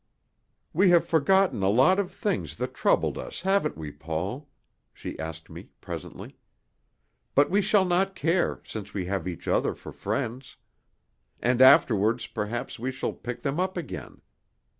"We have forgotten a lot of things that troubled us, haven't we, Paul?" she asked me presently. "But we shall not care, since we have each other for friends. And afterwards perhaps we shall pick them up again.